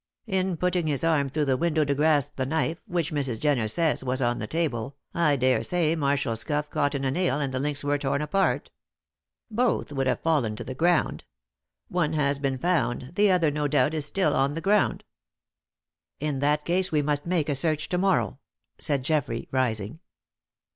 In putting his arm through the window to grasp the knife, which Mrs. Jenner says was on the table, I daresay Marshall's cuff caught in a nail and the links were torn apart. Both would have fallen to the ground. One has been found, the other, no doubt, is still on the ground." "In that case we must make a search to morrow," said Geoffrey, rising.